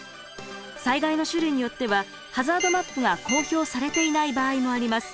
災害の種類によってはハザードマップが公表されていない場合もあります。